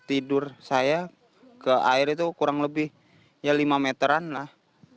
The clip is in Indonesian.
tidur saya ke air itu kurang lebih ya lima meteran lah